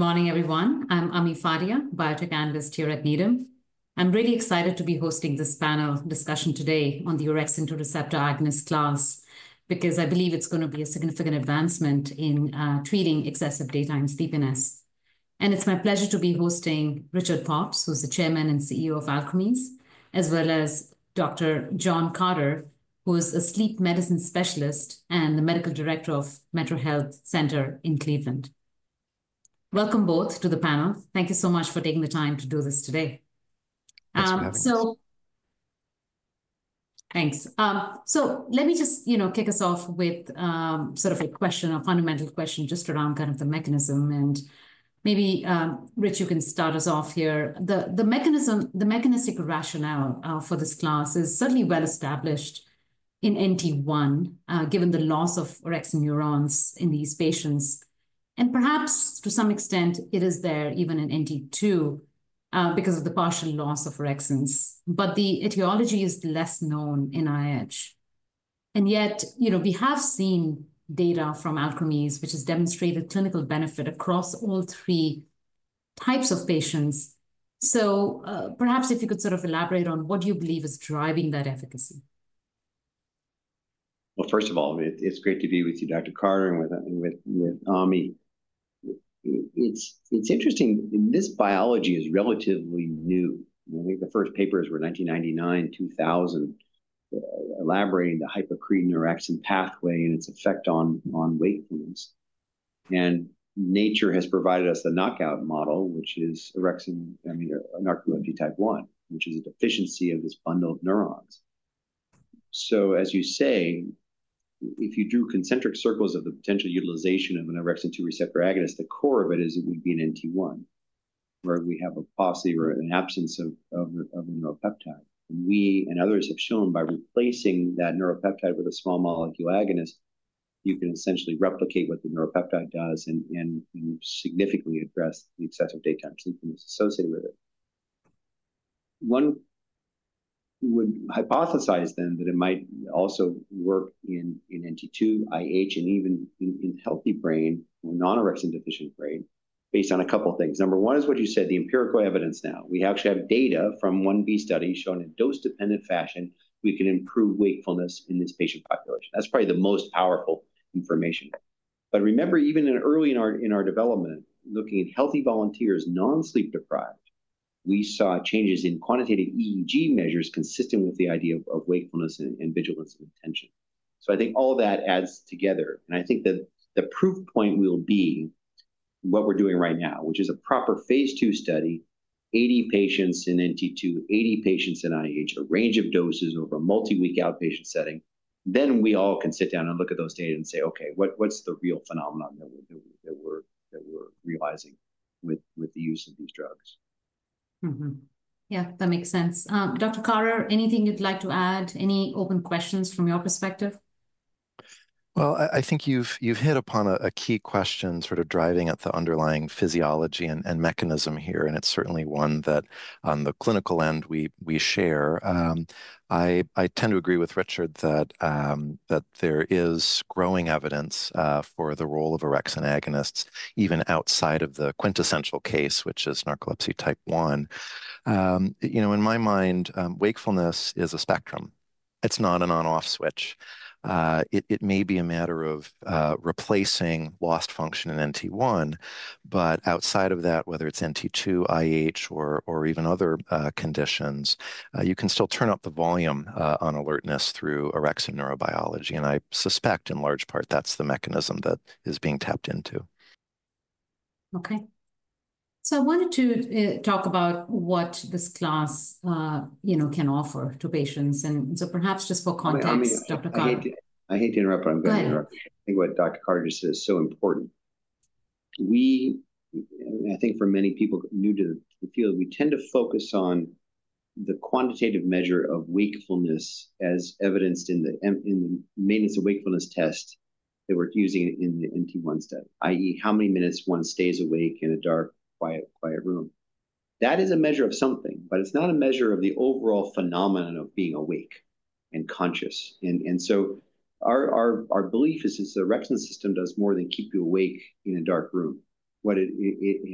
Good morning, everyone. I'm Amir Fadia, Biotech Analyst here at Needham. I'm really excited to be hosting this panel discussion today on the Orexin 2 Receptor Agonist class because I believe it's going to be a significant advancement in treating excessive daytime sleepiness. It's my pleasure to be hosting Richard Pops, who's the Chairman and CEO of Alkermes, as well as Dr. John Carter, who is a sleep medicine specialist and the Medical Director of MetroHealth Medical Center in Cleveland. Welcome both to the panel. Thank you so much for taking the time to do this today. Thanks for having us. Thanks. Let me just, you know, kick us off with sort of a question, a fundamental question just around kind of the mechanism. Maybe, Rich, you can start us off here. The mechanistic rationale for this class is certainly well established in NT1, given the loss of orexin neurons in these patients. Perhaps to some extent, it is there even in NT2 because of the partial loss of orexins. The etiology is less known in IH. Yet, you know, we have seen data from Alkermes, which has demonstrated clinical benefit across all three types of patients. Perhaps if you could sort of elaborate on what you believe is driving that efficacy. First of all, it's great to be with you, Dr. Carter, and with Amir. It's interesting. This biology is relatively new. I think the first papers were 1999, 2000, elaborating the hypercretin orexin pathway and its effect on wakefulness. Nature has provided us the knockout model, which is orexin, I mean, in narcolepsy type 1, which is a deficiency of this bundle of neurons. As you say, if you drew concentric circles of the potential utilization of an orexin 2 receptor agonist, the core of it is it would be in NT1, where we have a paucity or an absence of the neuropeptide. We and others have shown by replacing that neuropeptide with a small molecule agonist, you can essentially replicate what the neuropeptide does and significantly address the excessive daytime sleepiness associated with it. One would hypothesize then that it might also work in NT2, IH, and even in healthy brain or non-orexin deficient brain based on a couple of things. Number one is what you said, the empirical evidence now. We actually have data from I-B study showing in a dose-dependent fashion, we can improve wakefulness in this patient population. That's probably the most powerful information. Remember, even early in our development, looking at healthy volunteers non-sleep deprived, we saw changes in quantitative EEG measures consistent with the idea of wakefulness and vigilance and attention. I think all that adds together. I think that the proof point will be what we're doing right now, which is a proper phase II study, 80 patients in NT2, 80 patients in IH, a range of doses over a multi-week outpatient setting. We all can sit down and look at those data and say, okay, what's the real phenomenon that we're realizing with the use of these drugs? Yeah, that makes sense. Dr. Carter, anything you'd like to add? Any open questions from your perspective? I think you've hit upon a key question sort of driving at the underlying physiology and mechanism here. It's certainly one that on the clinical end, we share. I tend to agree with Richard that there is growing evidence for the role of orexin agonists even outside of the quintessential case, which is narcolepsy type 1. You know, in my mind, wakefulness is a spectrum. It's not an on-off switch. It may be a matter of replacing lost function in NT1, but outside of that, whether it's NT2, IH, or even other conditions, you can still turn up the volume on alertness through orexin neurobiology. I suspect in large part that's the mechanism that is being tapped into. Okay. I wanted to talk about what this class, you know, can offer to patients. Perhaps just for context, Dr. Carter. I hate to interrupt, but I'm glad you're interrupting. I think what Dr. Carter just said is so important. I think for many people new to the field, we tend to focus on the quantitative measure of wakefulness as evidenced in the Maintenance of Wakefulness Test that we're using in the NT1 study, i.e., how many minutes one stays awake in a dark, quiet room. That is a measure of something, but it's not a measure of the overall phenomenon of being awake and conscious. Our belief is this orexin system does more than keep you awake in a dark room. It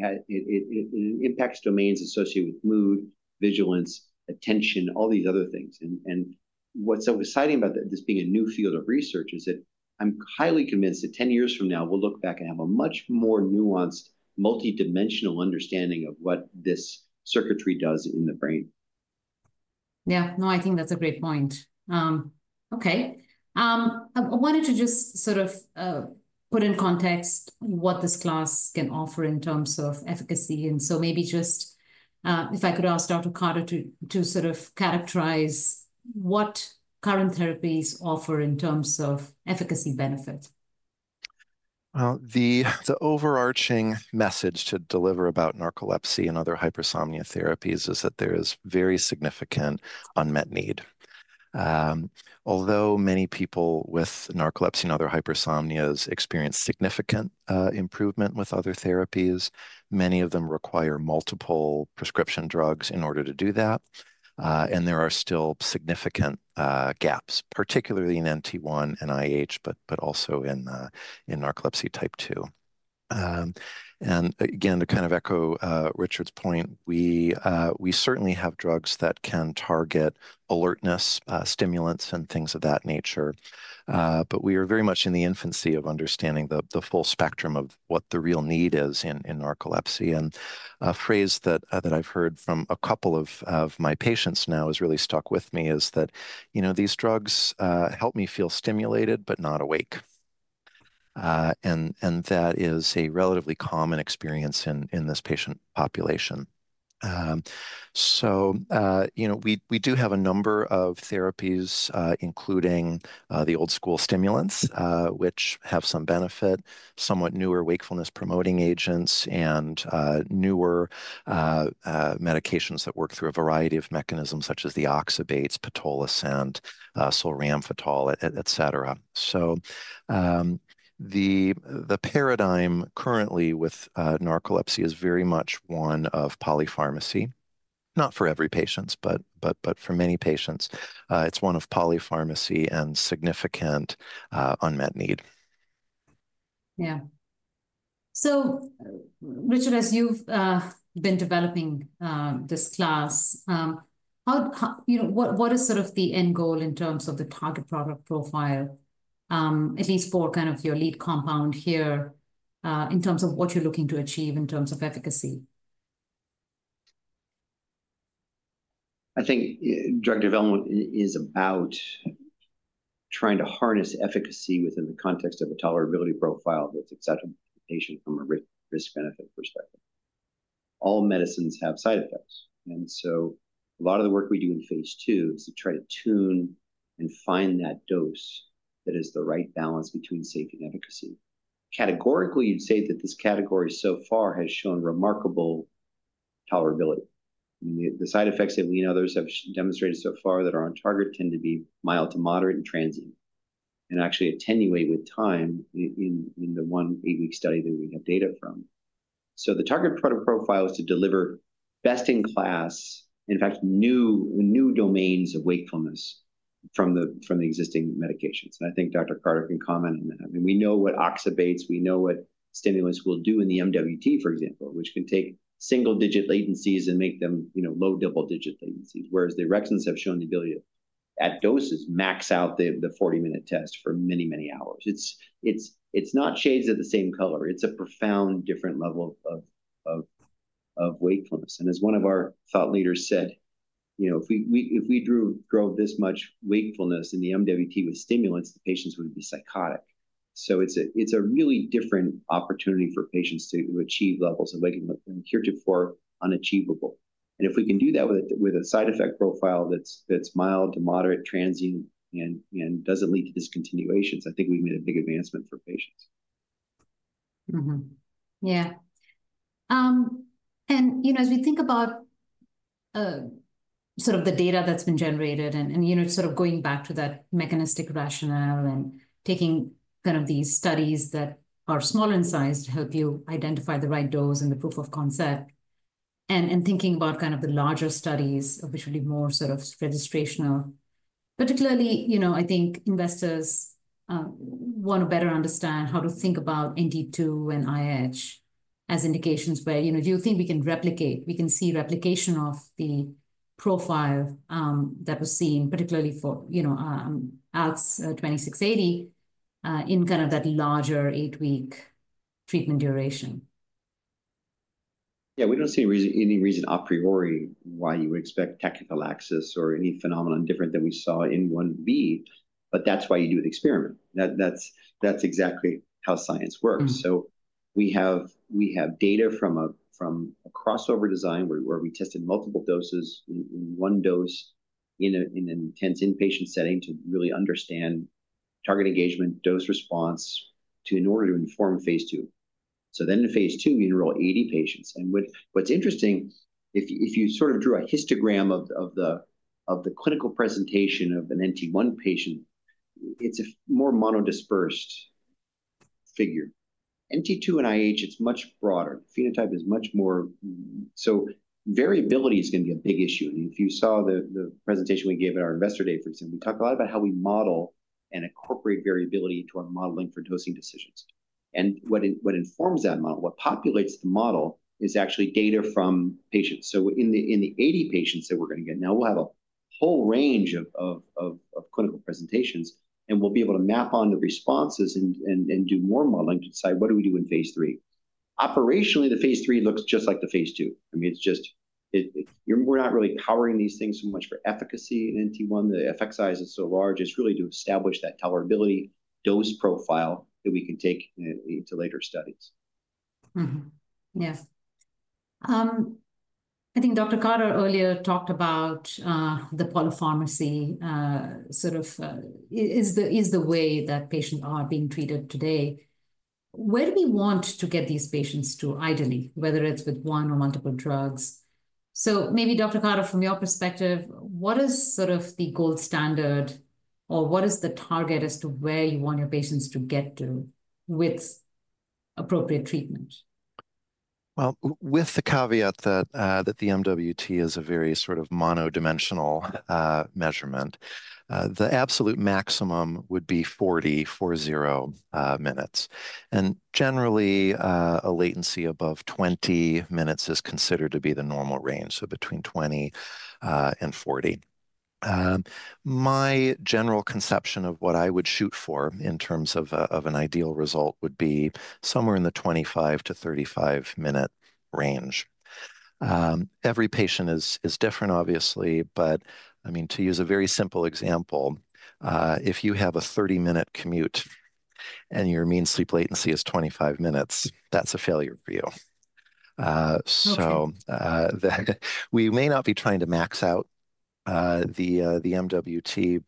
impacts domains associated with mood, vigilance, attention, all these other things. What's so exciting about this being a new field of research is that I'm highly convinced that 10 years from now, we'll look back and have a much more nuanced, multidimensional understanding of what this circuitry does in the brain. Yeah. No, I think that's a great point. Okay. I wanted to just sort of put in context what this class can offer in terms of efficacy. And so maybe just if I could ask Dr. Carter to sort of characterize what current therapies offer in terms of efficacy benefit. The overarching message to deliver about narcolepsy and other hypersomnia therapies is that there is very significant unmet need. Although many people with narcolepsy and other hypersomnias experience significant improvement with other therapies, many of them require multiple prescription drugs in order to do that. There are still significant gaps, particularly in NT1 and IH, but also in narcolepsy type 2. To kind of echo Richard's point, we certainly have drugs that can target alertness, stimulants, and things of that nature. We are very much in the infancy of understanding the full spectrum of what the real need is in narcolepsy. A phrase that I've heard from a couple of my patients now has really stuck with me is that, you know, these drugs help me feel stimulated, but not awake. That is a relatively common experience in this patient population. You know, we do have a number of therapies, including the old school stimulants, which have some benefit, somewhat newer wakefulness promoting agents, and newer medications that work through a variety of mechanisms such as the oxybates, pitolisant, solriamfetol, et cetera. The paradigm currently with narcolepsy is very much one of polypharmacy. Not for every patient, but for many patients. It is one of polypharmacy and significant unmet need. Yeah. So Richard, as you've been developing this class, you know, what is sort of the end goal in terms of the target product profile, at least for kind of your lead compound here in terms of what you're looking to achieve in terms of efficacy? I think drug development is about trying to harness efficacy within the context of a tolerability profile that's acceptable to the patient from a risk-benefit perspective. All medicines have side effects. A lot of the work we do in phase II is to try to tune and find that dose that is the right balance between safety and efficacy. Categorically, you'd say that this category so far has shown remarkable tolerability. The side effects that we and others have demonstrated so far that are on target tend to be mild to moderate and transient. They actually attenuate with time in the one eight-week study that we have data from. The target product profile is to deliver best in class, in fact, new domains of wakefulness from the existing medications. I think Dr. Carter can comment on that. I mean, we know what oxybates, we know what stimulants will do in the MWT, for example, which can take single-digit latencies and make them, you know, low double-digit latencies. Whereas the orexins have shown the ability to, at doses, max out the 40-minute test for many, many hours. It's not shades of the same color. It's a profound different level of wakefulness. As one of our thought leaders said, you know, if we drove this much wakefulness in the MWT with stimulants, the patients would be psychotic. It is a really different opportunity for patients to achieve levels of wakefulness that were here before unachievable. If we can do that with a side effect profile that's mild to moderate, transient, and doesn't lead to discontinuations, I think we've made a big advancement for patients. Yeah. You know, as we think about sort of the data that's been generated and, you know, sort of going back to that mechanistic rationale and taking kind of these studies that are smaller in size to help you identify the right dose and the proof of concept, and thinking about kind of the larger studies, which would be more sort of registrational, particularly, you know, I think investors want to better understand how to think about NT2 and IH as indications where, you know, do you think we can replicate, we can see replication of the profile that was seen, particularly for, you know, ALKS 2680 in kind of that larger eight-week treatment duration? Yeah, we don't see any reason a priori why you would expect tachyphylaxis or any phenomenon different than we saw in I-B, but that's why you do the experiment. That's exactly how science works. We have data from a crossover design where we tested multiple doses and one dose in an intense inpatient setting to really understand target engagement, dose response in order to inform phase II. In phase II, we enroll 80 patients. What's interesting, if you sort of drew a histogram of the clinical presentation of an NT1 patient, it's a more monodispersed figure. NT2 and IH, it's much broader. Phenotype is much more. Variability is going to be a big issue. If you saw the presentation we gave at our investor day, for example, we talked a lot about how we model and incorporate variability into our modeling for dosing decisions. What informs that model, what populates the model is actually data from patients. In the 80 patients that we're going to get now, we'll have a whole range of clinical presentations, and we'll be able to map on the responses and do more modeling to decide what do we do in phase III. Operationally, the phase III looks just like the phase II. I mean, it's just, we're not really powering these things so much for efficacy in NT1. The effect size is so large. It's really to establish that tolerability dose profile that we can take into later studies. Yes. I think Dr. Carter earlier talked about the polypharmacy sort of is the way that patients are being treated today. Where do we want to get these patients to ideally, whether it's with one or multiple drugs? Maybe Dr. Carter, from your perspective, what is sort of the gold standard or what is the target as to where you want your patients to get to with appropriate treatment? With the caveat that the MWT is a very sort of monodimensional measurement, the absolute maximum would be 40, four-zero minutes. Generally, a latency above 20 minutes is considered to be the normal range, so between 20 and 40. My general conception of what I would shoot for in terms of an ideal result would be somewhere in the 25-35 minute range. Every patient is different, obviously, but I mean, to use a very simple example, if you have a 30-minute commute and your mean sleep latency is 25 minutes, that's a failure for you. We may not be trying to max out the MWT,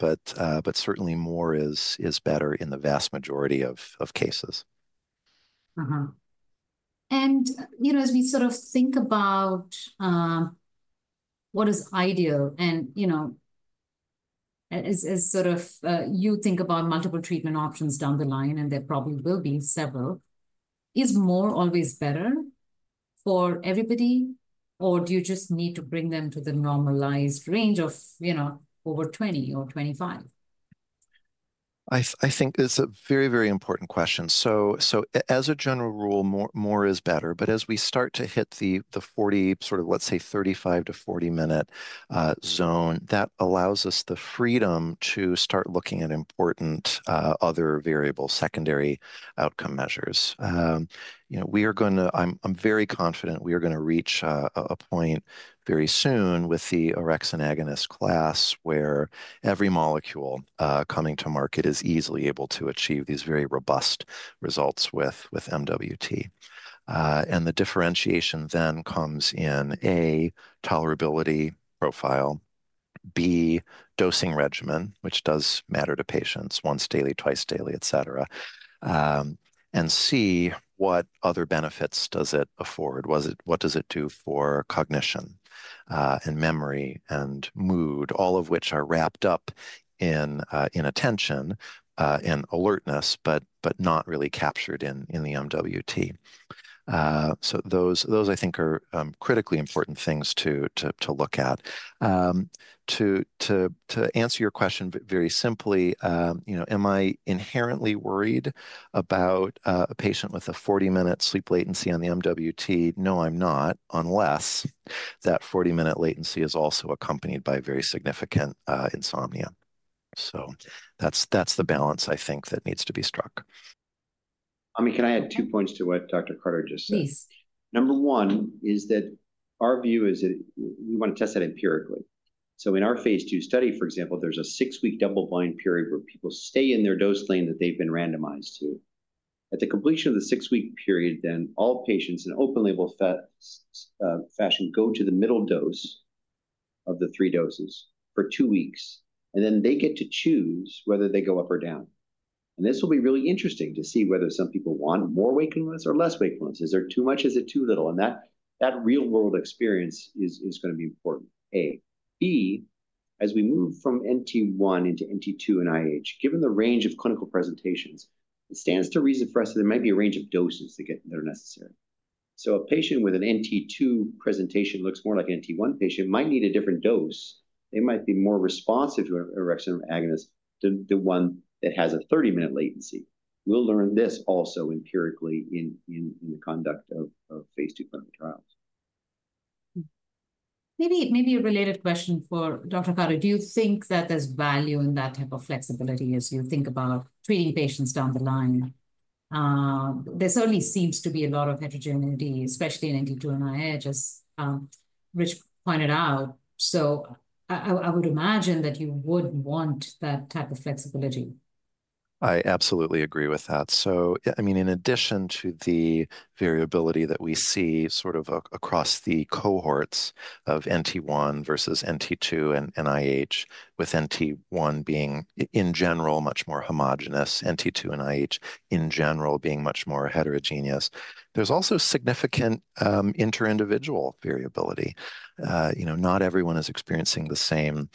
but certainly more is better in the vast majority of cases. You know, as we sort of think about what is ideal and, you know, as sort of you think about multiple treatment options down the line, and there probably will be several, is more always better for everybody, or do you just need to bring them to the normalized range of, you know, over 20 or 25? I think it's a very, very important question. As a general rule, more is better. As we start to hit the 40, sort of let's say 35-40 minute zone, that allows us the freedom to start looking at important other variables, secondary outcome measures. You know, I'm very confident we are going to reach a point very soon with the orexin agonist class where every molecule coming to market is easily able to achieve these very robust results with MWT. The differentiation then comes in A, tolerability profile, B, dosing regimen, which does matter to patients, once daily, twice daily, et cetera. C, what other benefits does it afford? What does it do for cognition and memory and mood, all of which are wrapped up in attention and alertness, but not really captured in the MWT. Those, I think, are critically important things to look at. To answer your question very simply, you know, am I inherently worried about a patient with a 40-minute sleep latency on the MWT? No, I'm not, unless that 40-minute latency is also accompanied by very significant insomnia. That's the balance, I think, that needs to be struck. I mean, can I add two points to what Dr. Carter just said? Please. Number one is that our view is that we want to test that empirically. In our phase II study, for example, there is a six-week double-blind period where people stay in their dose lane that they have been randomized to. At the completion of the six-week period, all patients in open-label fashion go to the middle dose of the three doses for two weeks, and then they get to choose whether they go up or down. This will be really interesting to see whether some people want more wakefulness or less wakefulness. Is there too much? Is it too little? That real-world experience is going to be important. A. B, as we move from NT1 into NT2 and IH, given the range of clinical presentations, it stands to reason for us that there might be a range of doses that are necessary. A patient with an NT2 presentation looks more like an NT1 patient might need a different dose. They might be more responsive to orexin agonist than one that has a 30-minute latency. We'll learn this also empirically in the conduct of phase II clinical trials. Maybe a related question for Dr. Carter. Do you think that there's value in that type of flexibility as you think about treating patients down the line? There certainly seems to be a lot of heterogeneity, especially in NT2 and IH, as Rich pointed out. I would imagine that you would want that type of flexibility. I absolutely agree with that. I mean, in addition to the variability that we see sort of across the cohorts of NT1 versus NT2 and IH, with NT1 being in general much more homogenous, NT2 and IH in general being much more heterogeneous, there's also significant inter-individual variability. You know, not everyone is experiencing the same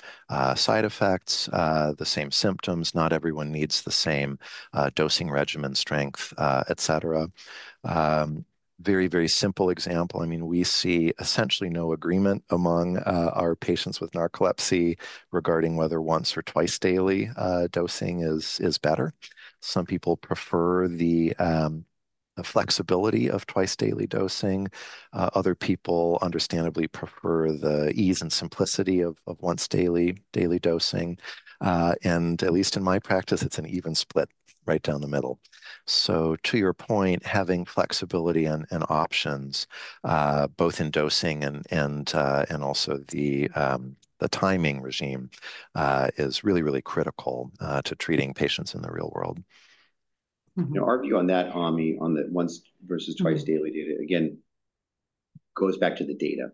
side effects, the same symptoms. Not everyone needs the same dosing regimen, strength, et cetera. Very, very simple example. I mean, we see essentially no agreement among our patients with narcolepsy regarding whether once or twice daily dosing is better. Some people prefer the flexibility of twice daily dosing. Other people understandably prefer the ease and simplicity of once daily dosing. At least in my practice, it's an even split right down the middle. To your point, having flexibility and options, both in dosing and also the timing regime, is really, really critical to treating patients in the real world. Our view on that, Ami, on the once versus twice daily data, again, goes back to the data.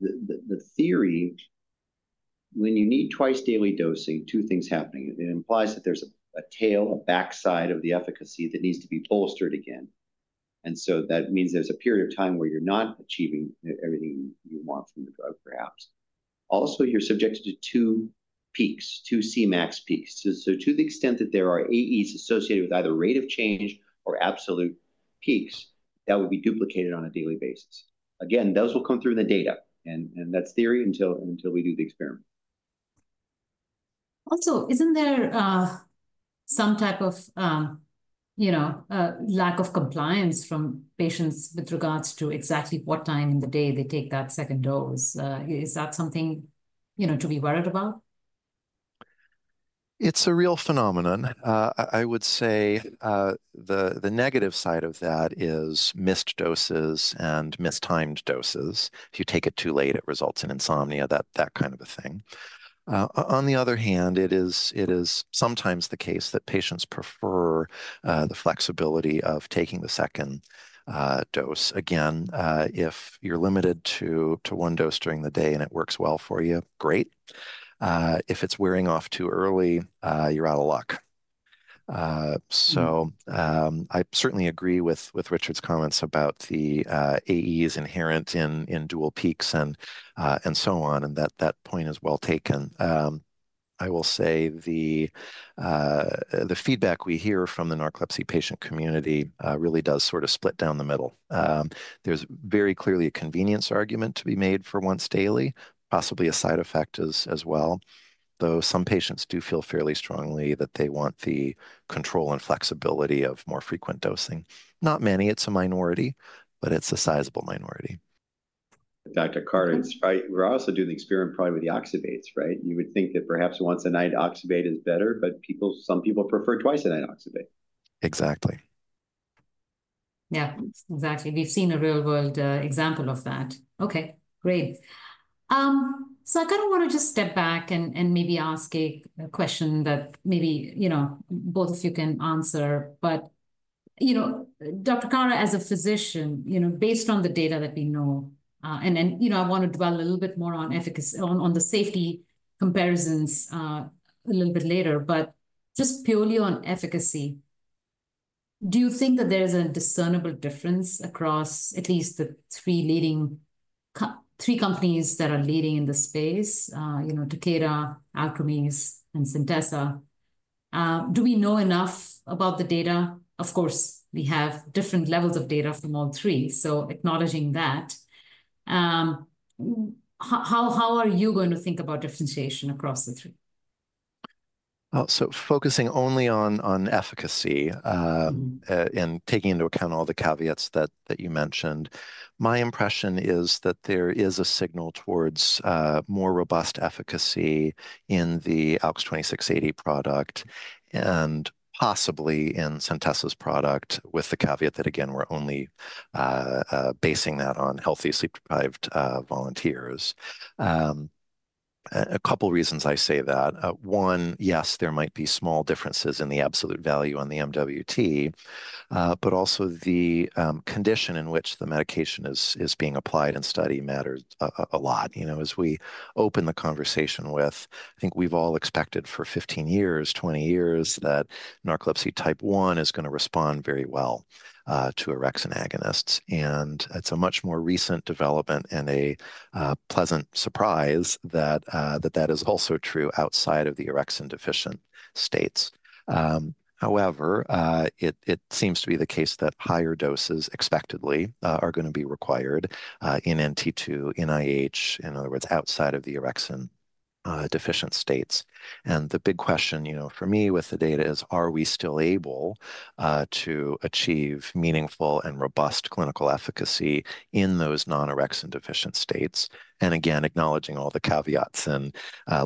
The theory, when you need twice daily dosing, two things happening. It implies that there's a tail, a backside of the efficacy that needs to be bolstered again. That means there's a period of time where you're not achieving everything you want from the drug, perhaps. Also, you're subjected to two peaks, two Cmax peaks. To the extent that there are AEs associated with either rate of change or absolute peaks, that would be duplicated on a daily basis. Those will come through in the data. That's theory until we do the experiment. Also, isn't there some type of, you know, lack of compliance from patients with regards to exactly what time in the day they take that second dose? Is that something, you know, to be worried about? It's a real phenomenon. I would say the negative side of that is missed doses and mistimed doses. If you take it too late, it results in insomnia, that kind of a thing. On the other hand, it is sometimes the case that patients prefer the flexibility of taking the second dose. Again, if you're limited to one dose during the day and it works well for you, great. If it's wearing off too early, you're out of luck. I certainly agree with Richard's comments about the AEs inherent in dual peaks and so on, and that point is well taken. I will say the feedback we hear from the narcolepsy patient community really does sort of split down the middle. There's very clearly a convenience argument to be made for once daily, possibly a side effect as well, though some patients do feel fairly strongly that they want the control and flexibility of more frequent dosing. Not many. It's a minority, but it's a sizable minority. Dr. Carter, we're also doing the experiment probably with the oxybates, right? You would think that perhaps once a night oxybate is better, but some people prefer twice a night oxybate. Exactly. Yeah, exactly. We've seen a real-world example of that. Okay, great. I kind of want to just step back and maybe ask a question that maybe, you know, both of you can answer. You know, Dr. Carter, as a physician, you know, based on the data that we know, and you know, I want to dwell a little bit more on the safety comparisons a little bit later, but just purely on efficacy, do you think that there is a discernible difference across at least the three companies that are leading in the space, you know, Takeda, Alkermes, and Centessa? Do we know enough about the data? Of course, we have different levels of data from all three, so acknowledging that. How are you going to think about differentiation across the three? Focusing only on efficacy and taking into account all the caveats that you mentioned, my impression is that there is a signal towards more robust efficacy in the ALKS 2680 product and possibly in Centessa's product with the caveat that, again, we're only basing that on healthy sleep deprived volunteers. A couple of reasons I say that. One, yes, there might be small differences in the absolute value on the MWT, but also the condition in which the medication is being applied and studied matters a lot. You know, as we open the conversation with, I think we've all expected for 15 years, 20 years that narcolepsy type 1 is going to respond very well to orexin agonists. It is a much more recent development and a pleasant surprise that that is also true outside of the orexin deficient states. However, it seems to be the case that higher doses expectedly are going to be required in NT2, in IH, in other words, outside of the orexin deficient states. The big question, you know, for me with the data is, are we still able to achieve meaningful and robust clinical efficacy in those non-orexin deficient states? Again, acknowledging all the caveats and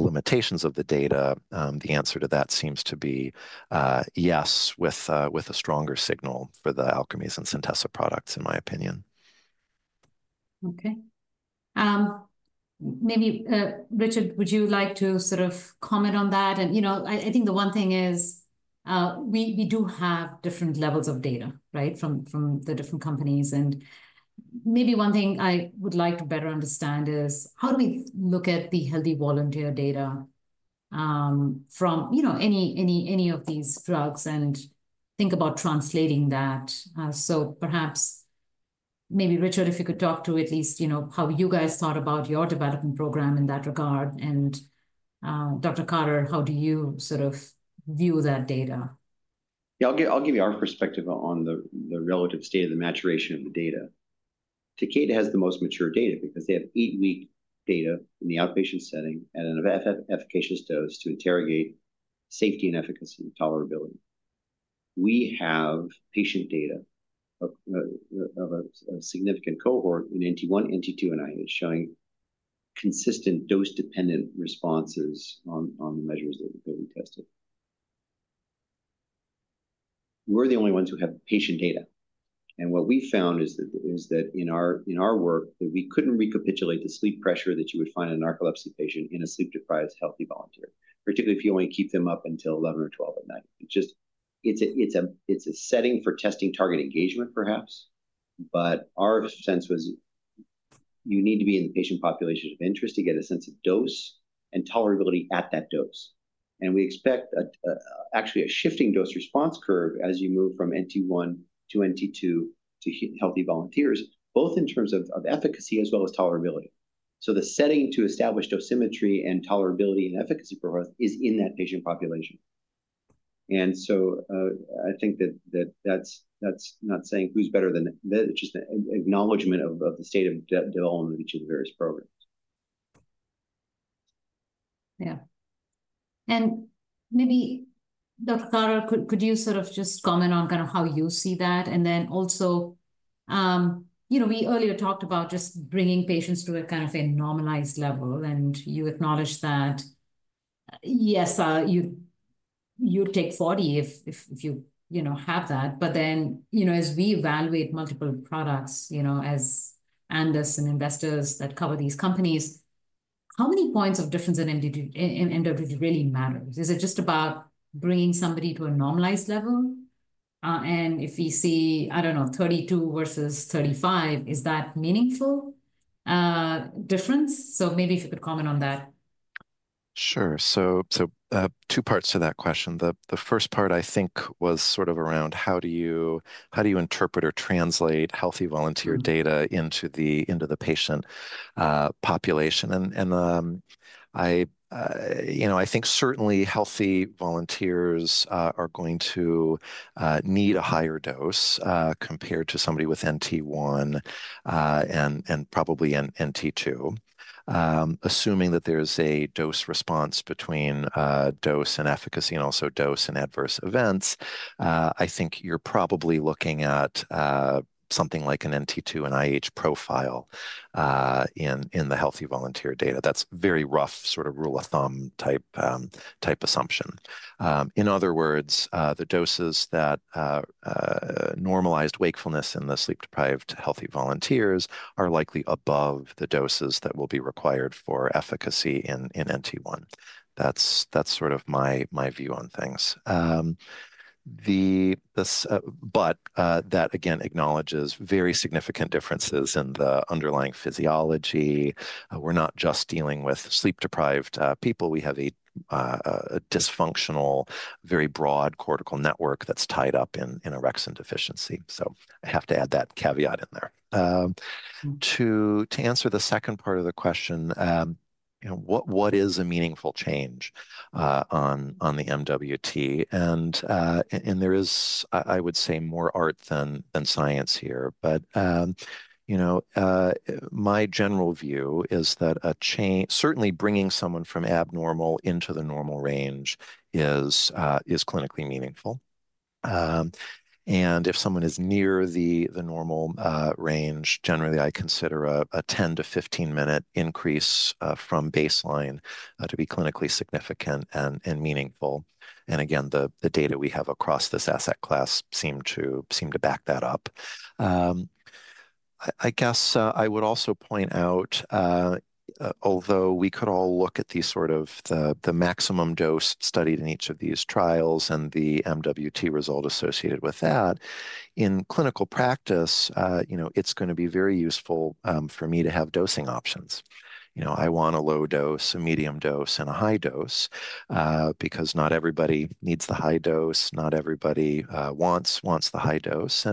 limitations of the data, the answer to that seems to be yes with a stronger signal for the Alkermes and Centessa products, in my opinion. Okay. Maybe, Richard, would you like to sort of comment on that? You know, I think the one thing is we do have different levels of data, right, from the different companies. Maybe one thing I would like to better understand is how do we look at the healthy volunteer data from, you know, any of these drugs and think about translating that? Perhaps, Richard, if you could talk to at least, you know, how you guys thought about your development program in that regard. Dr. Carter, how do you sort of view that data? Yeah, I'll give you our perspective on the relative state of the maturation of the data. Takeda has the most mature data because they have eight-week data in the outpatient setting at an efficacious dose to interrogate safety and efficacy and tolerability. We have patient data of a significant cohort in NT1, NT2, and IH showing consistent dose-dependent responses on the measures that we tested. We're the only ones who have patient data. What we found is that in our work, we couldn't recapitulate the sleep pressure that you would find in a narcolepsy patient in a sleep-deprived healthy volunteer, particularly if you only keep them up until 11 or 12 at night. It's a setting for testing target engagement, perhaps, but our sense was you need to be in the patient population of interest to get a sense of dose and tolerability at that dose. We expect actually a shifting dose response curve as you move from NT1 to NT2 to healthy volunteers, both in terms of efficacy as well as tolerability. The setting to establish dosimetry and tolerability and efficacy profiles is in that patient population. I think that that's not saying who's better than that. It's just an acknowledgment of the state of development of each of the various programs. Yeah. Maybe, Dr. Carter, could you sort of just comment on kind of how you see that? You know, we earlier talked about just bringing patients to a kind of a normalized level, and you acknowledged that, yes, you'd take 40 if you, you know, have that. You know, as we evaluate multiple products, you know, as analysts and investors that cover these companies, how many points of difference in MWT really matters? Is it just about bringing somebody to a normalized level? If we see, I don't know, 32 versus 35, is that meaningful difference? Maybe if you could comment on that. Sure. Two parts to that question. The first part, I think, was sort of around how do you interpret or translate healthy volunteer data into the patient population. I, you know, I think certainly healthy volunteers are going to need a higher dose compared to somebody with NT1 and probably NT2. Assuming that there's a dose response between dose and efficacy and also dose and adverse events, I think you're probably looking at something like an NT2 and IH profile in the healthy volunteer data. That's a very rough sort of rule of thumb type assumption. In other words, the doses that normalized wakefulness in the sleep-deprived healthy volunteers are likely above the doses that will be required for efficacy in NT1. That's sort of my view on things. That, again, acknowledges very significant differences in the underlying physiology. We're not just dealing with sleep-deprived people. We have a dysfunctional, very broad cortical network that's tied up in orexin deficiency. I have to add that caveat in there. To answer the second part of the question, what is a meaningful change on the MWT? There is, I would say, more art than science here. You know, my general view is that certainly bringing someone from abnormal into the normal range is clinically meaningful. If someone is near the normal range, generally, I consider a 10-15 minute increase from baseline to be clinically significant and meaningful. Again, the data we have across this asset class seem to back that up. I guess I would also point out, although we could all look at these, sort of the maximum dose studied in each of these trials and the MWT result associated with that, in clinical practice, you know, it's going to be very useful for me to have dosing options. You know, I want a low dose, a medium dose, and a high dose because not everybody needs the high dose. Not everybody wants the high dose.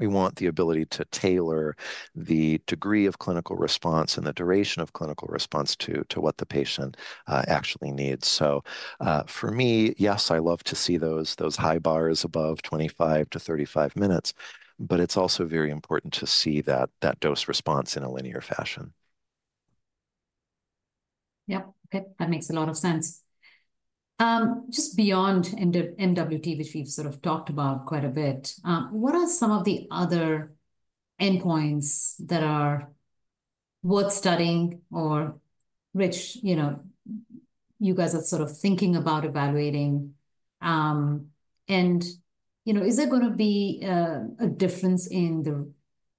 We want the ability to tailor the degree of clinical response and the duration of clinical response to what the patient actually needs. For me, yes, I love to see those high bars above 25-35 minutes, but it's also very important to see that dose response in a linear fashion. Yep. Okay. That makes a lot of sense. Just beyond MWT, which we've sort of talked about quite a bit, what are some of the other endpoints that are worth studying or which, you know, you guys are sort of thinking about evaluating? You know, is there going to be a difference in the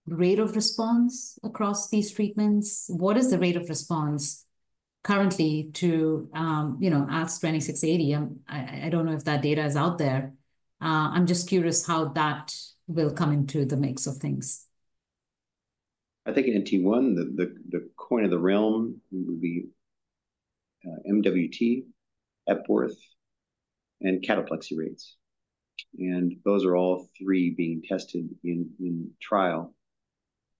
rate of response across these treatments? What is the rate of response currently to, you know, ALKS 2680? I don't know if that data is out there. I'm just curious how that will come into the mix of things. I think NT1, the coin of the realm, would be MWT, Epworth, and cataplexy rates. Those are all three being tested in trial.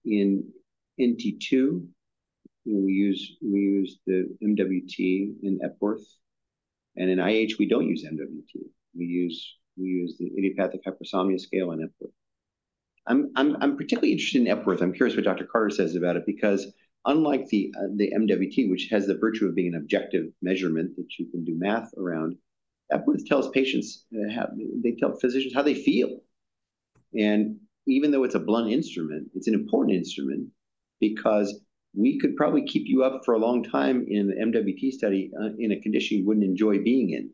In NT2, we use the MWT in Epworth. In IH, we do not use MWT. We use the idiopathic hypersomnia scale in Epworth. I'm particularly interested in Epworth. I'm curious what Dr. Carter says about it because unlike the MWT, which has the virtue of being an objective measurement that you can do math around, Epworth tells patients they tell physicians how they feel. Even though it's a blunt instrument, it's an important instrument because we could probably keep you up for a long time in the MWT study in a condition you would not enjoy being in.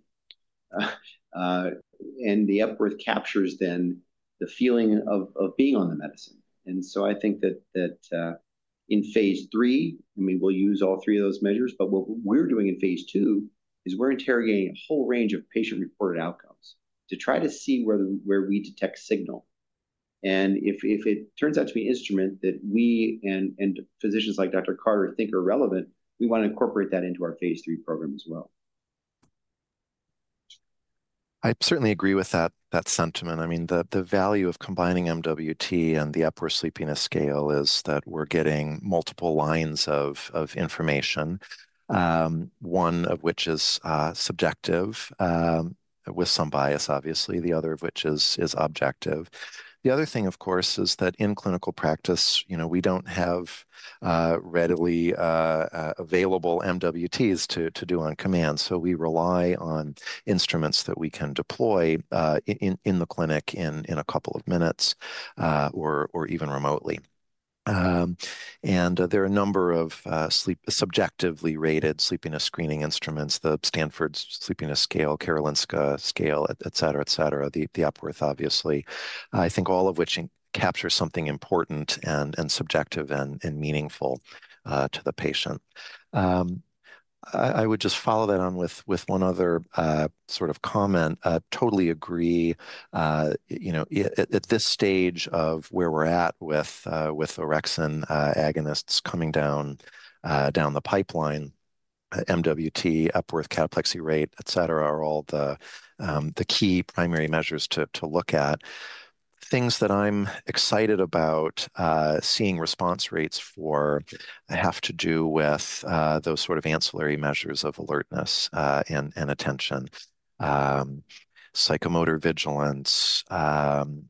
The Epworth captures then the feeling of being on the medicine. I think that in phase III, I mean, we'll use all three of those measures, but what we're doing in phase II is we're interrogating a whole range of patient-reported outcomes to try to see where we detect signal. If it turns out to be an instrument that we and physicians like Dr. Carter think are relevant, we want to incorporate that into our phase III program as well. I certainly agree with that sentiment. I mean, the value of combining MWT and the Epworth Sleepiness Scale is that we're getting multiple lines of information, one of which is subjective with some bias, obviously, the other of which is objective. The other thing, of course, is that in clinical practice, you know, we don't have readily available MWTs to do on command. We rely on instruments that we can deploy in the clinic in a couple of minutes or even remotely. There are a number of subjectively rated sleepiness screening instruments, the Stanford Sleepiness Scale, Karolinska Scale, et cetera, et cetera, the Epworth, obviously. I think all of which capture something important and subjective and meaningful to the patient. I would just follow that on with one other sort of comment. Totally agree. You know, at this stage of where we're at with orexin agonists coming down the pipeline, MWT, Epworth, cataplexy rate, et cetera, are all the key primary measures to look at. Things that I'm excited about seeing response rates for have to do with those sort of ancillary measures of alertness and attention, psychomotor vigilance,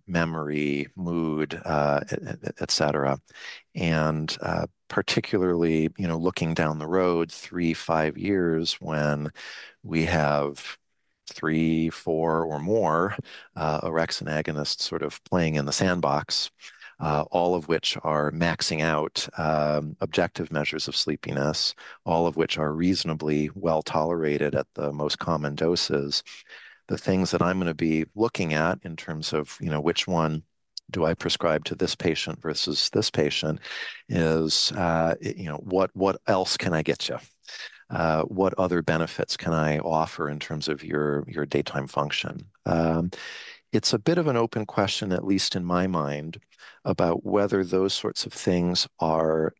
memory, mood, et cetera. Particularly, you know, looking down the road three, five years when we have three, four, or more orexin agonists sort of playing in the sandbox, all of which are maxing out objective measures of sleepiness, all of which are reasonably well tolerated at the most common doses. The things that I'm going to be looking at in terms of, you know, which one do I prescribe to this patient versus this patient is, you know, what else can I get you? What other benefits can I offer in terms of your daytime function? It's a bit of an open question, at least in my mind, about whether those sorts of things are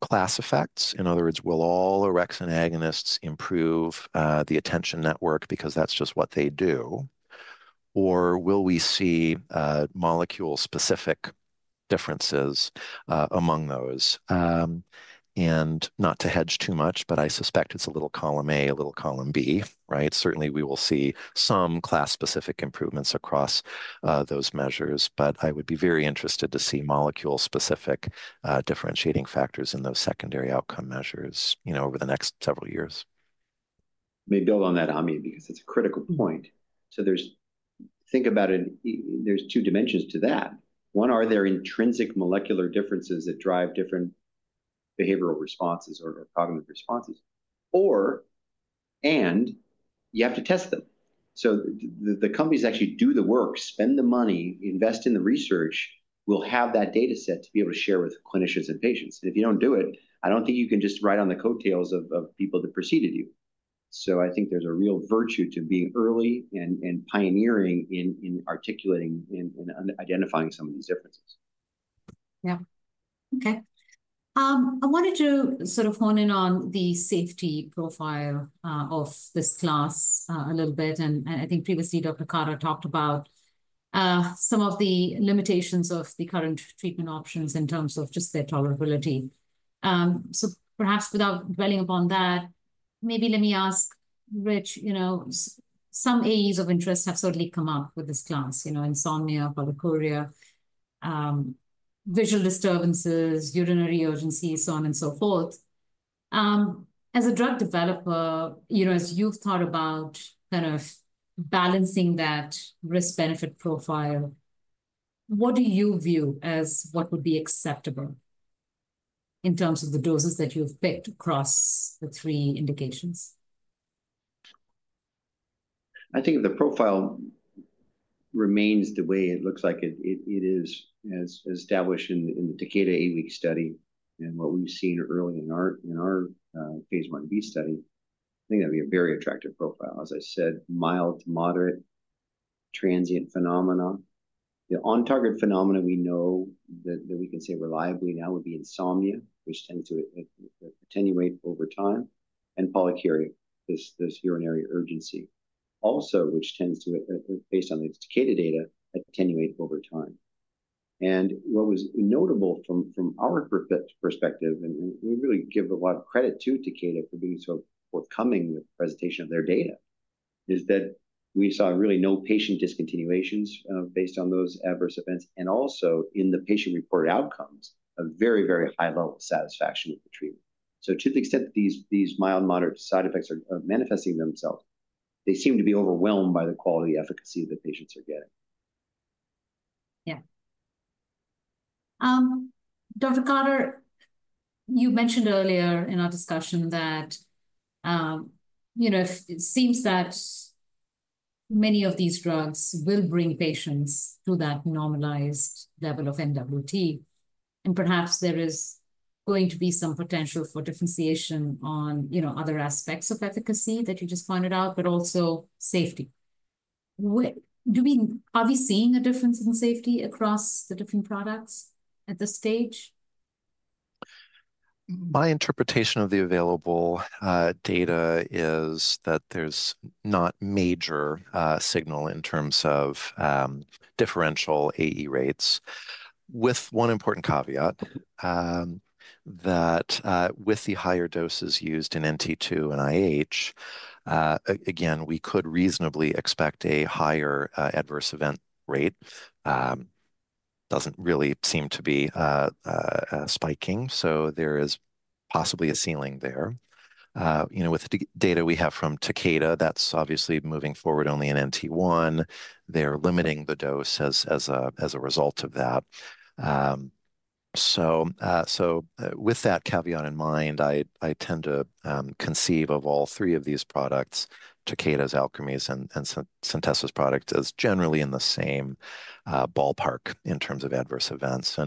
class effects. In other words, will all orexin agonists improve the attention network because that's just what they do? Or will we see molecule-specific differences among those? Not to hedge too much, but I suspect it's a little column A, a little column B, right? Certainly, we will see some class-specific improvements across those measures, but I would be very interested to see molecule-specific differentiating factors in those secondary outcome measures, you know, over the next several years. Maybe build on that, Ami, because it's a critical point. Think about it. There are two dimensions to that. One, are there intrinsic molecular differences that drive different behavioral responses or cognitive responses? You have to test them. The companies that actually do the work, spend the money, invest in the research, will have that dataset to be able to share with clinicians and patients. If you do not do it, I do not think you can just ride on the coattails of people that preceded you. I think there is a real virtue to being early and pioneering in articulating and identifying some of these differences. Yeah. Okay. I wanted to sort of hone in on the safety profile of this class a little bit. I think previously, Dr. Carter talked about some of the limitations of the current treatment options in terms of just their tolerability. Perhaps without dwelling upon that, maybe let me ask Rich, you know, some areas of interest have certainly come up with this class, you know, insomnia, polyuria, visual disturbances, urinary urgency, so on and so forth. As a drug developer, you know, as you've thought about kind of balancing that risk-benefit profile, what do you view as what would be acceptable in terms of the doses that you've picked across the three indications? I think the profile remains the way it looks like it is established in the Takeda eight-week study and what we've seen early in our phase I-B study. I think that would be a very attractive profile. As I said, mild to moderate transient phenomena. The on-target phenomena we know that we can say reliably now would be insomnia, which tends to attenuate over time, and polyuria, this urinary urgency also, which tends to, based on the Takeda data, attenuate over time. What was notable from our perspective, and we really give a lot of credit to Takeda for being so forthcoming with the presentation of their data, is that we saw really no patient discontinuations based on those adverse events. Also in the patient-reported outcomes, a very, very high level of satisfaction with the treatment. To the extent that these mild-moderate side effects are manifesting themselves, they seem to be overwhelmed by the quality efficacy that patients are getting. Yeah. Dr. Carter, you mentioned earlier in our discussion that, you know, it seems that many of these drugs will bring patients to that normalized level of MWT. And perhaps there is going to be some potential for differentiation on, you know, other aspects of efficacy that you just pointed out, but also safety. Are we seeing a difference in safety across the different products at this stage? My interpretation of the available data is that there's not major signal in terms of differential AE rates, with one important caveat that with the higher doses used in NT2 and IH, again, we could reasonably expect a higher adverse event rate. Doesn't really seem to be spiking. There is possibly a ceiling there. You know, with the data we have from Takeda, that's obviously moving forward only in NT1. They're limiting the dose as a result of that. With that caveat in mind, I tend to conceive of all three of these products, Takeda's, Alkermes', and Centessa's product as generally in the same ballpark in terms of adverse events.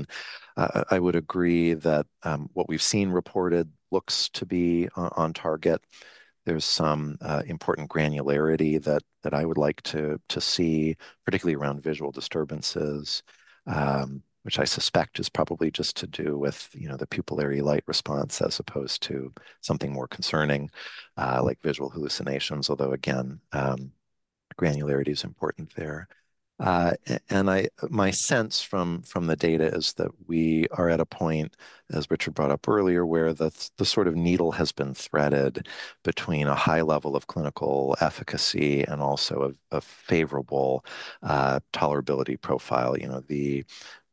I would agree that what we've seen reported looks to be on target. There's some important granularity that I would like to see, particularly around visual disturbances, which I suspect is probably just to do with, you know, the pupillary light response as opposed to something more concerning like visual hallucinations, although again, granularity is important there. My sense from the data is that we are at a point, as Richard brought up earlier, where the sort of needle has been threaded between a high level of clinical efficacy and also a favorable tolerability profile. You know, the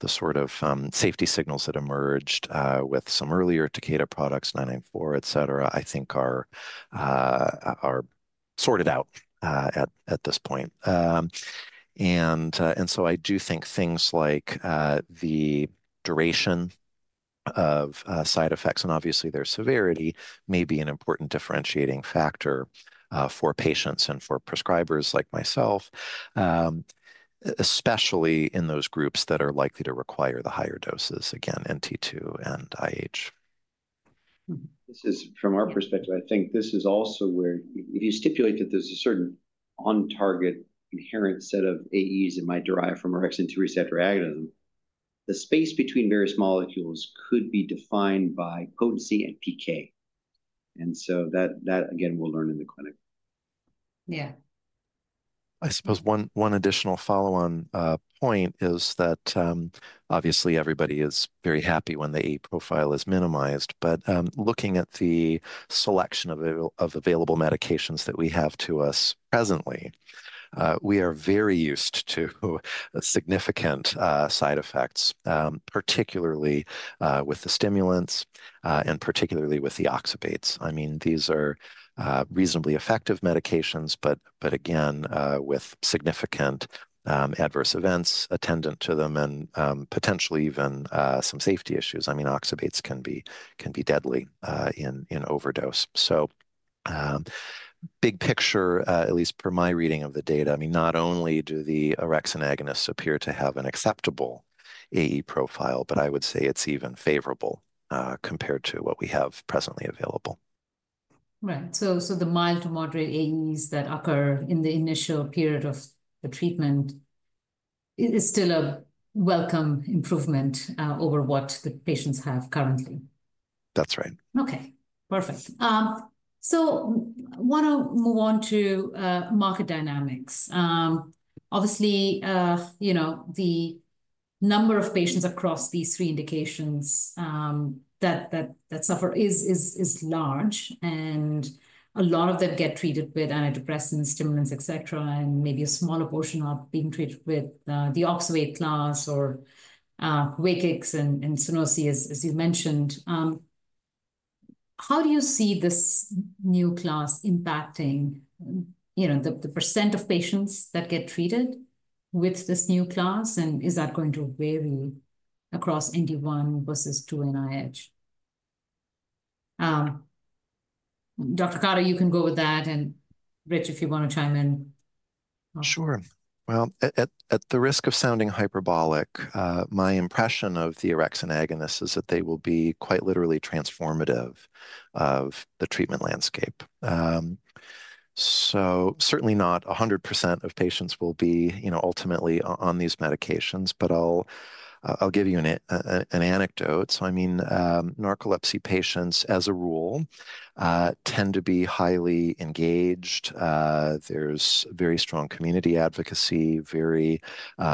sort of safety signals that emerged with some earlier Takeda products, 994, et cetera, I think are sorted out at this point. I do think things like the duration of side effects and obviously their severity may be an important differentiating factor for patients and for prescribers like myself, especially in those groups that are likely to require the higher doses, again, NT2 and IH. This is from our perspective. I think this is also where if you stipulate that there's a certain on-target inherent set of AEs that might derive from orexin 2 receptor agonism, the space between various molecules could be defined by potency and PK. That, again, we'll learn in the clinic. Yeah. I suppose one additional follow-on point is that obviously everybody is very happy when the AE profile is minimized, but looking at the selection of available medications that we have to us presently, we are very used to significant side effects, particularly with the stimulants and particularly with the oxybates. I mean, these are reasonably effective medications, but again, with significant adverse events attendant to them and potentially even some safety issues. I mean, oxybates can be deadly in overdose. Big picture, at least per my reading of the data, I mean, not only do the orexin agonists appear to have an acceptable AE profile, but I would say it's even favorable compared to what we have presently available. Right. The mild to moderate AEs that occur in the initial period of the treatment is still a welcome improvement over what the patients have currently. That's right. Okay. Perfect. I want to move on to market dynamics. Obviously, you know, the number of patients across these three indications that suffer is large, and a lot of them get treated with antidepressants, stimulants, et cetera, and maybe a smaller portion are being treated with the oxybate class or Wakix and Sunosi, as you mentioned. How do you see this new class impacting, you know, the % of patients that get treated with this new class, and is that going to vary across NT1 versus 2 and IH? Dr. Carter, you can go with that. Rich, if you want to chime in. Sure. At the risk of sounding hyperbolic, my impression of the orexin agonists is that they will be quite literally transformative of the treatment landscape. Certainly not 100% of patients will be, you know, ultimately on these medications, but I'll give you an anecdote. I mean, narcolepsy patients as a rule tend to be highly engaged. There is very strong community advocacy, very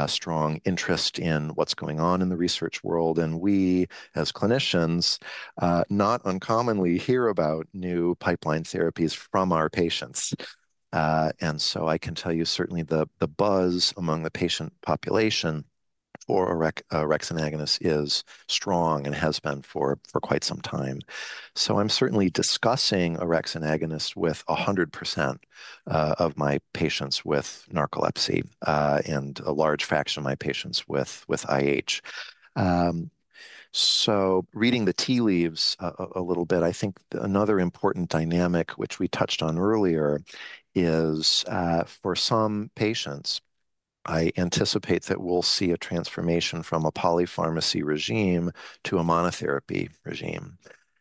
strong interest in what's going on in the research world. We as clinicians not uncommonly hear about new pipeline therapies from our patients. I can tell you certainly the buzz among the patient population for orexin agonists is strong and has been for quite some time. I'm certainly discussing orexin agonists with 100% of my patients with narcolepsy and a large fraction of my patients with IH. Reading the tea leaves a little bit, I think another important dynamic, which we touched on earlier, is for some patients, I anticipate that we'll see a transformation from a polypharmacy regime to a monotherapy regime.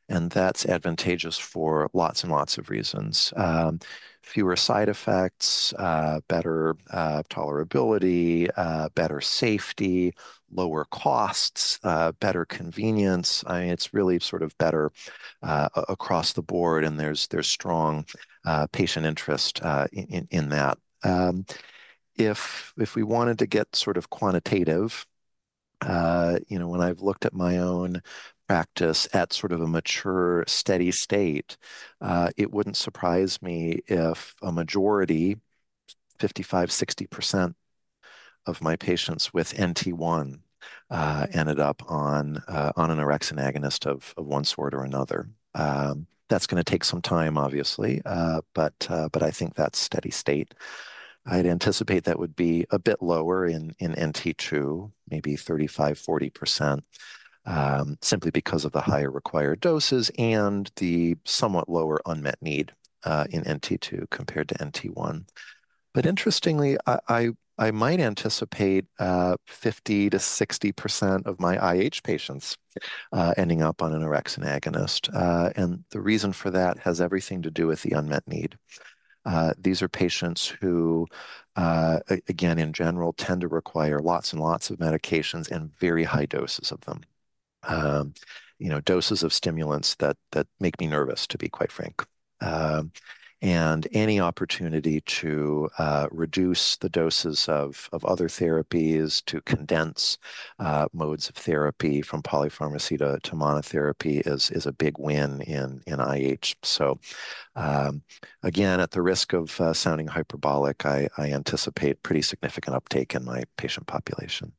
And that's advantageous for lots and lots of reasons. Fewer side effects, better tolerability, better safety, lower costs, better convenience. I mean, it's really sort of better across the board, and there's strong patient interest in that. If we wanted to get sort of quantitative, you know, when I've looked at my own practice at sort of a mature steady state, it wouldn't surprise me if a majority, 55-60% of my patients with NT1 ended up on an orexin agonist of one sort or another. That's going to take some time, obviously, but I think that's steady state. I'd anticipate that would be a bit lower in NT2, maybe 35-40%, simply because of the higher required doses and the somewhat lower unmet need in NT2 compared to NT1. Interestingly, I might anticipate 50-60% of my IH patients ending up on an orexin agonist. The reason for that has everything to do with the unmet need. These are patients who, again, in general, tend to require lots and lots of medications and very high doses of them. You know, doses of stimulants that make me nervous, to be quite frank. Any opportunity to reduce the doses of other therapies, to condense modes of therapy from polypharmacy to monotherapy is a big win in IH. Again, at the risk of sounding hyperbolic, I anticipate pretty significant uptake in my patient population.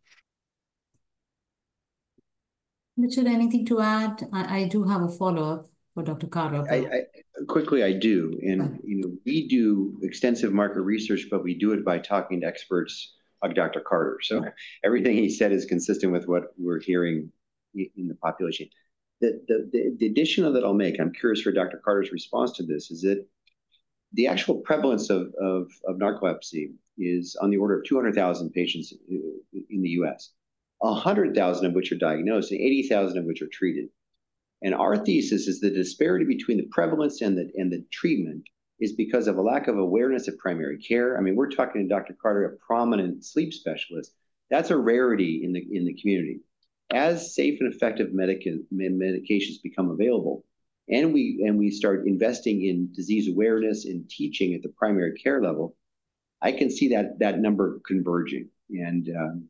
Richard, anything to add? I do have a follow-up for Dr. Carter. Quickly, I do. And you know, we do extensive market research, but we do it by talking to experts like Dr. Carter. So everything he said is consistent with what we're hearing in the population. The additional that I'll make, I'm curious for Dr. Carter's response to this, is that the actual prevalence of narcolepsy is on the order of 200,000 patients in the U.S., 100,000 of which are diagnosed and 80,000 of which are treated. And our thesis is the disparity between the prevalence and the treatment is because of a lack of awareness of primary care. I mean, we're talking to Dr. Carter, a prominent sleep specialist. That's a rarity in the community. As safe and effective medications become available and we start investing in disease awareness and teaching at the primary care level, I can see that number converging.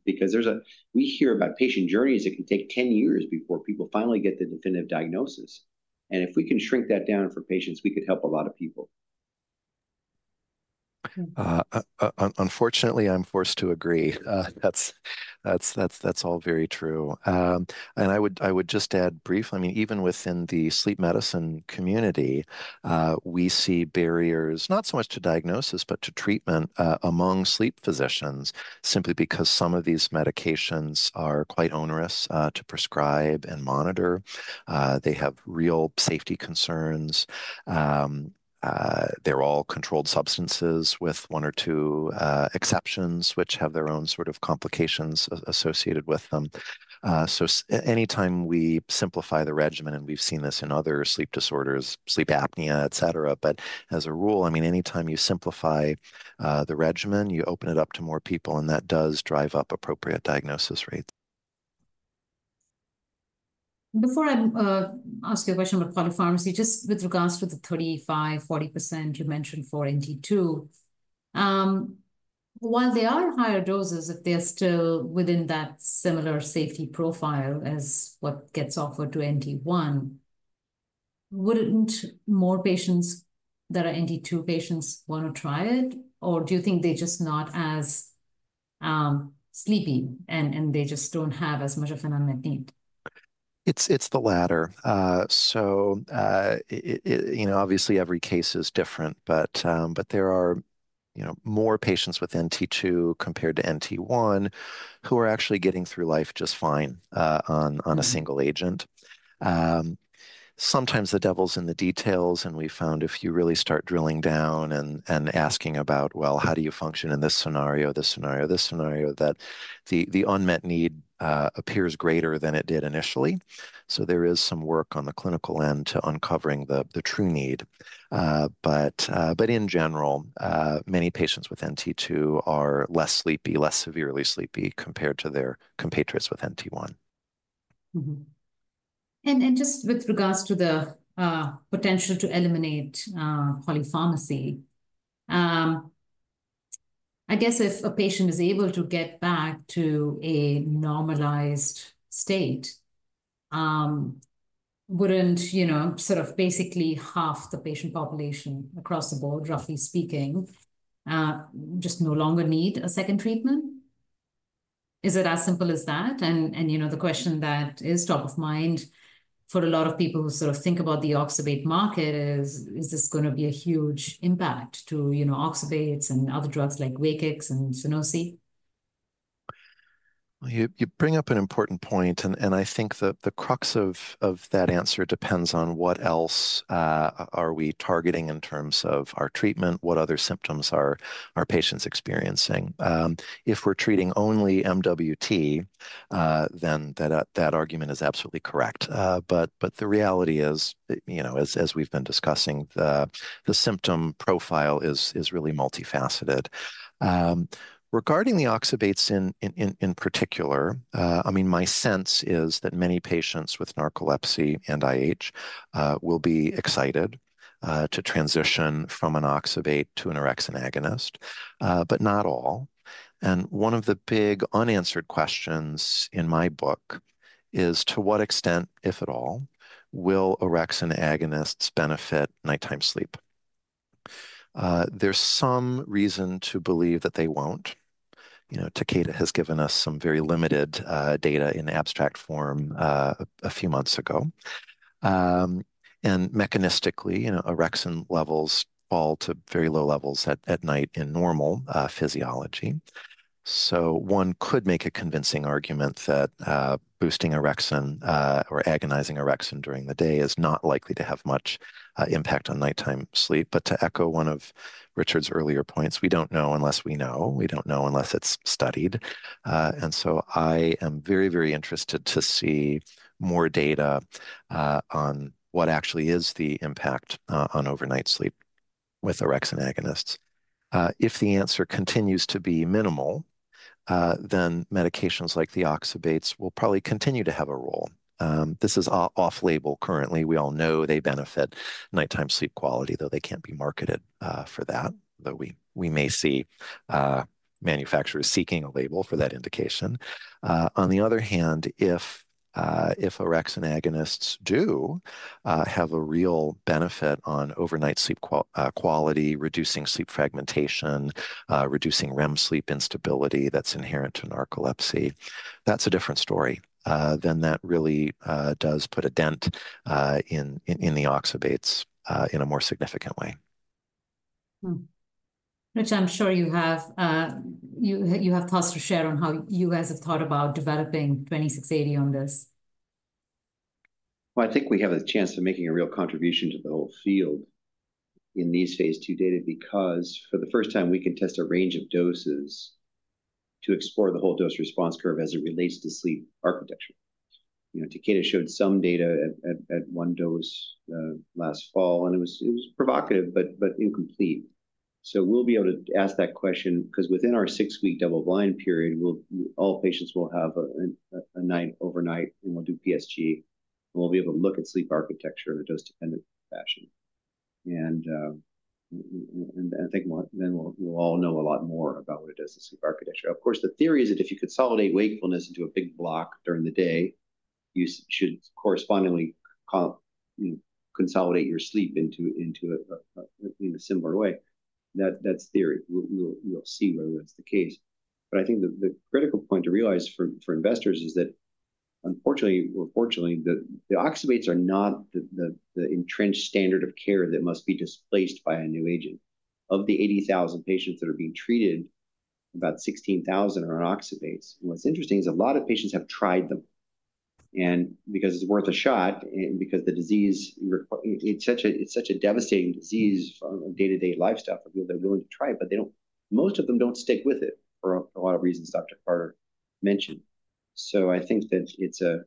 Because we hear about patient journeys that can take 10 years before people finally get the definitive diagnosis. If we can shrink that down for patients, we could help a lot of people. Unfortunately, I'm forced to agree. That's all very true. I would just add briefly, I mean, even within the sleep medicine community, we see barriers, not so much to diagnosis, but to treatment among sleep physicians, simply because some of these medications are quite onerous to prescribe and monitor. They have real safety concerns. They're all controlled substances with one or two exceptions, which have their own sort of complications associated with them. Anytime we simplify the regimen, and we've seen this in other sleep disorders, sleep apnea, et cetera, but as a rule, I mean, anytime you simplify the regimen, you open it up to more people, and that does drive up appropriate diagnosis rates. Before I ask you a question about polypharmacy, just with regards to the 35-40% you mentioned for NT2, while they are higher doses, if they're still within that similar safety profile as what gets offered to NT1, wouldn't more patients that are NT2 patients want to try it? Or do you think they're just not as sleepy and they just don't have as much of an unmet need? It's the latter. You know, obviously every case is different, but there are, you know, more patients with NT2 compared to NT1 who are actually getting through life just fine on a single agent. Sometimes the devil's in the details, and we found if you really start drilling down and asking about, well, how do you function in this scenario, this scenario, this scenario, that the unmet need appears greater than it did initially. There is some work on the clinical end to uncovering the true need. In general, many patients with NT2 are less sleepy, less severely sleepy compared to their compatriots with NT1. Just with regards to the potential to eliminate polypharmacy, I guess if a patient is able to get back to a normalized state, wouldn't, you know, sort of basically half the patient population across the board, roughly speaking, just no longer need a second treatment? Is it as simple as that? You know, the question that is top of mind for a lot of people who sort of think about the oxybate market is, is this going to be a huge impact to, you know, oxybates and other drugs like Wakix and Sunosi? You bring up an important point, and I think the crux of that answer depends on what else are we targeting in terms of our treatment, what other symptoms are our patients experiencing. If we're treating only MWT, then that argument is absolutely correct. The reality is, you know, as we've been discussing, the symptom profile is really multifaceted. Regarding the oxybates in particular, I mean, my sense is that many patients with narcolepsy and IH will be excited to transition from an oxybate to an orexin agonist, but not all. One of the big unanswered questions in my book is to what extent, if at all, will orexin agonists benefit nighttime sleep? There's some reason to believe that they won't. You know, Takeda has given us some very limited data in abstract form a few months ago. Mechanistically, you know, orexin levels fall to very low levels at night in normal physiology. You could make a convincing argument that boosting orexin or agonizing orexin during the day is not likely to have much impact on nighttime sleep. To echo one of Richard's earlier points, we don't know unless we know. We don't know unless it's studied. I am very, very interested to see more data on what actually is the impact on overnight sleep with orexin agonists. If the answer continues to be minimal, then medications like the oxybates will probably continue to have a role. This is off-label currently. We all know they benefit nighttime sleep quality, though they can't be marketed for that, though we may see manufacturers seeking a label for that indication. On the other hand, if orexin agonists do have a real benefit on overnight sleep quality, reducing sleep fragmentation, reducing REM sleep instability that's inherent to narcolepsy, that's a different story than that really does put a dent in the oxybates in a more significant way. Richard, I'm sure you have thoughts to share on how you guys have thought about developing 2680 on this. I think we have a chance of making a real contribution to the whole field in these phase II data because for the first time, we can test a range of doses to explore the whole dose response curve as it relates to sleep architecture. You know, Takeda showed some data at one dose last fall, and it was provocative, but incomplete. We will be able to ask that question because within our six-week double-blind period, all patients will have a night overnight, and we will do PSG, and we will be able to look at sleep architecture in a dose-dependent fashion. I think then we will all know a lot more about what it does to sleep architecture. Of course, the theory is that if you consolidate wakefulness into a big block during the day, you should correspondingly consolidate your sleep in a similar way. That is theory. We'll see whether that's the case. I think the critical point to realize for investors is that, unfortunately or fortunately, the oxybates are not the entrenched standard of care that must be displaced by a new agent. Of the 80,000 patients that are being treated, about 16,000 are on oxybates. What's interesting is a lot of patients have tried them. Because it's worth a shot and because the disease, it's such a devastating disease from day-to-day lifestyle for people that are willing to try it, most of them don't stick with it for a lot of reasons Dr. Carter mentioned. I think that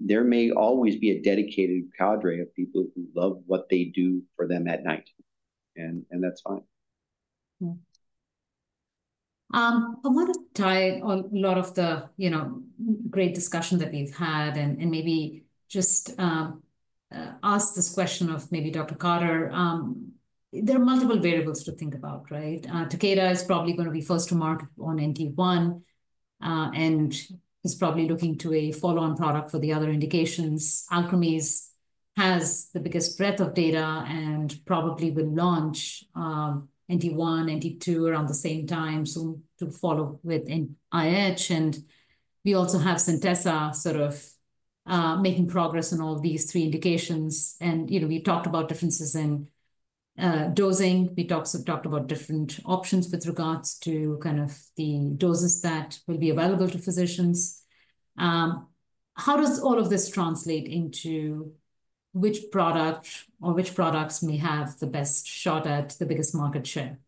there may always be a dedicated cadre of people who love what they do for them at night. That's fine. I want to tie a lot of the, you know, great discussion that we've had and maybe just ask this question of maybe Dr. Carter. There are multiple variables to think about, right? Takeda is probably going to be first to market on NT1 and is probably looking to a follow-on product for the other indications. Alkermes has the biggest breadth of data and probably will launch NT1, NT2 around the same time soon to follow with IH. We also have Centessa sort of making progress on all these three indications. You know, we talked about differences in dosing. We talked about different options with regards to kind of the doses that will be available to physicians. How does all of this translate into which product or which products may have the best shot at the biggest market share?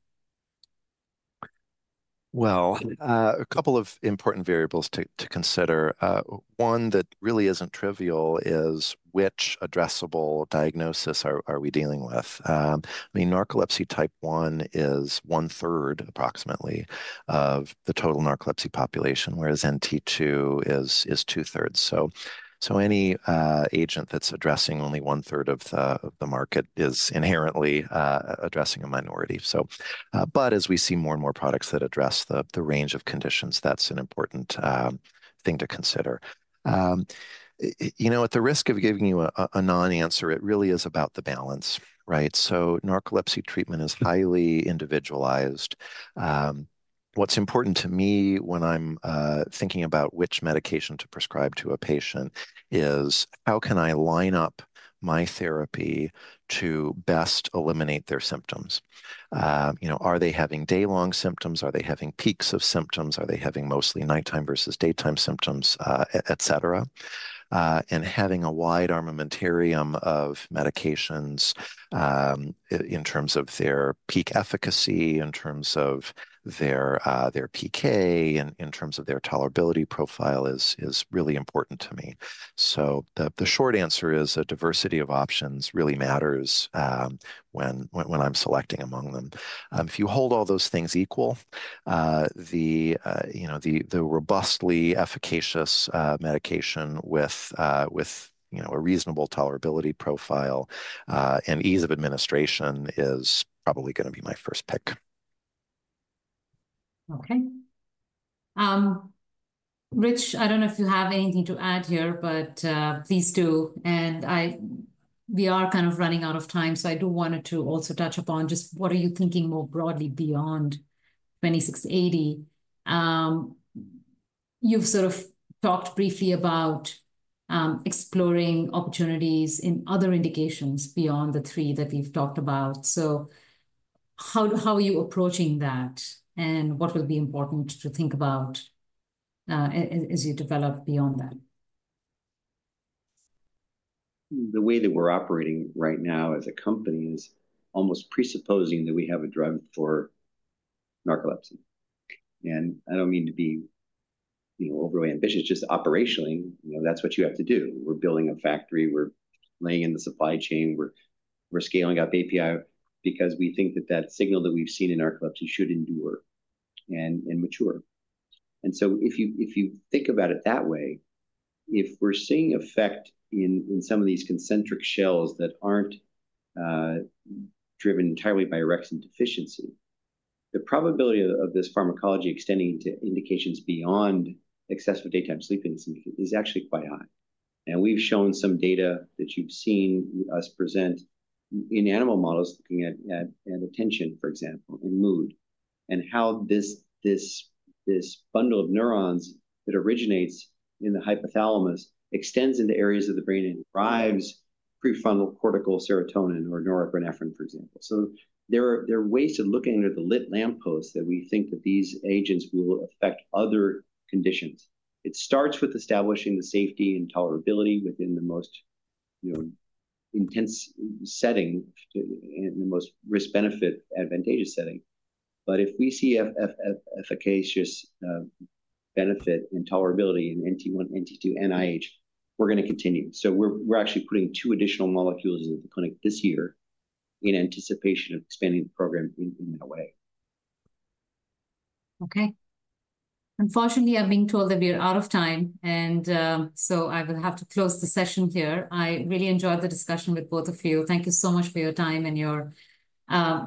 A couple of important variables to consider. One that really isn't trivial is which addressable diagnosis are we dealing with? I mean, narcolepsy type 1 is one-third approximately of the total narcolepsy population, whereas NT2 is two-thirds. Any agent that's addressing only one-third of the market is inherently addressing a minority. As we see more and more products that address the range of conditions, that's an important thing to consider. You know, at the risk of giving you a non-answer, it really is about the balance, right? Narcolepsy treatment is highly individualized. What's important to me when I'm thinking about which medication to prescribe to a patient is how can I line up my therapy to best eliminate their symptoms? You know, are they having day-long symptoms? Are they having peaks of symptoms? Are they having mostly nighttime versus daytime symptoms, et cetera? Having a wide armamentarium of medications in terms of their peak efficacy, in terms of their PK, in terms of their tolerability profile is really important to me. The short answer is a diversity of options really matters when I'm selecting among them. If you hold all those things equal, the, you know, the robustly efficacious medication with, you know, a reasonable tolerability profile and ease of administration is probably going to be my first pick. Okay. Richard, I don't know if you have anything to add here, but please do. We are kind of running out of time, so I do want to also touch upon just what are you thinking more broadly beyond 2680? You've sort of talked briefly about exploring opportunities in other indications beyond the three that we've talked about. How are you approaching that? What will be important to think about as you develop beyond that? The way that we're operating right now as a company is almost presupposing that we have a drug for narcolepsy. I don't mean to be, you know, overly ambitious, just operationally, you know, that's what you have to do. We're building a factory. We're laying in the supply chain. We're scaling up API because we think that that signal that we've seen in narcolepsy should endure and mature. If you think about it that way, if we're seeing effect in some of these concentric shells that aren't driven entirely by orexin deficiency, the probability of this pharmacology extending to indications beyond excessive daytime sleeping is actually quite high. We have shown some data that you have seen us present in animal models looking at attention, for example, and mood, and how this bundle of neurons that originates in the hypothalamus extends into areas of the brain and drives prefrontal cortical serotonin or norepinephrine, for example. There are ways of looking under the lit lamppost that we think that these agents will affect other conditions. It starts with establishing the safety and tolerability within the most, you know, intense setting and the most risk-benefit advantageous setting. If we see efficacious benefit and tolerability in NT1, NT2, and IH, we are going to continue. We are actually putting two additional molecules into the clinic this year in anticipation of expanding the program in that way. Okay. Unfortunately, I'm being told that we are out of time, and so I will have to close the session here. I really enjoyed the discussion with both of you. Thank you so much for your time and your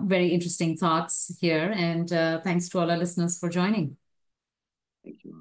very interesting thoughts here. Thanks to all our listeners for joining. Thank you.